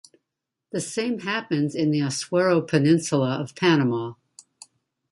The same happens in the Azuero peninsula of Panama.